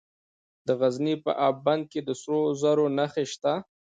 د غزني په اب بند کې د سرو زرو نښې شته.